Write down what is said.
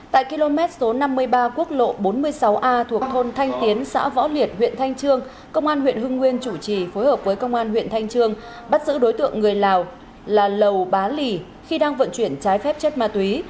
tại km số năm mươi ba quốc lộ bốn mươi sáu a thuộc thôn thanh tiến xã võ liệt huyện thanh trương công an huyện hưng nguyên chủ trì phối hợp với công an huyện thanh trương bắt giữ đối tượng người lào là lầu bá lì khi đang vận chuyển trái phép chất ma túy